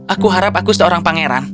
aku harap aku seorang pangeran